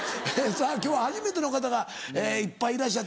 さぁ今日は初めての方がいっぱいいらっしゃって。